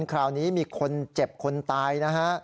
คราวนี้มีคนเจ็บคนตายนะฮะ